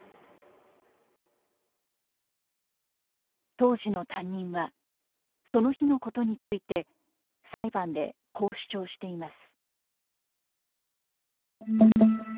当時の担任はその日のことについて裁判でこう主張しています。